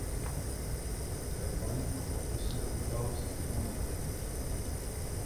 Taïwan importe aussi la plupart de ses besoins énergétiques.